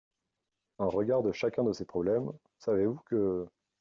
En regard de chacun de ces problèmes, savez-vous que: